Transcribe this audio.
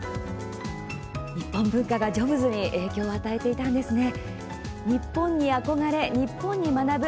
日本文化がジョブズに影響を与えていたんですね。